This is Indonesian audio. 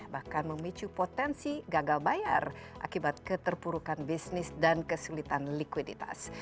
bahkan memicu potensi gagal bayar akibat keterpurukan bisnis dan kesulitan likuiditas